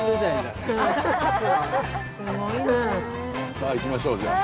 さあ行きましょうじゃあ。